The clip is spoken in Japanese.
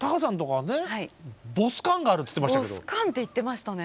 「ボス感」って言ってましたね。